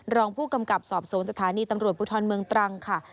รองผู้กำกับสอบสวนสถานีตำรวจภูทรเมืองตรังค่ะ